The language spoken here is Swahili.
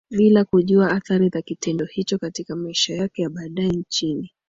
bila kujua athari za kitendo hicho katika maisha yake ya baadaye Nchini